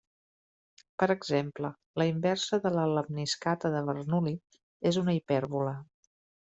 Per exemple, la inversa de la lemniscata de Bernoulli és una hipèrbole.